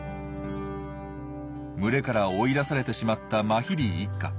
群れから追い出されてしまったマヒリ一家。